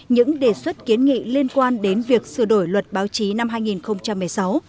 những đề xuất kiến nghị liên quan đến việc sửa đổi luật báo chí năm hai nghìn một mươi sáu